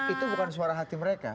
itu bukan suara hati mereka